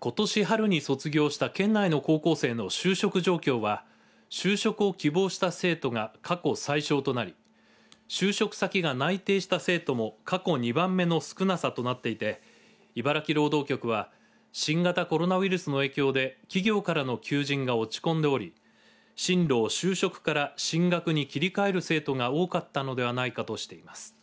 ことし春に卒業した県内の高校生の就職状況は就職を希望した生徒が過去最少となり就職先が内定した生徒も過去２番目の少なさとなっていて茨城労働局は新型コロナウイルスの影響で企業からの求人が落ち込んでおり進路を就職から進学に切り替える生徒が多かったのではないかとしています。